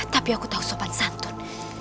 tapi aku tahu sopan santun